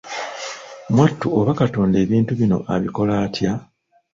Mwattu oba katonda ebintu bino abikola atya?